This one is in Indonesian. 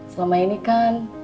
selama ini kan